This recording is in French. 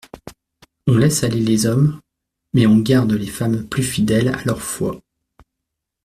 On laisse aller les hommes, mais on garde les femmes plus fidèles à leur foi.